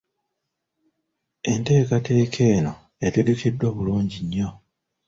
Enteekateeka eno etegekeddwa bulungi nnyo!